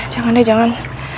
jangan deh jangan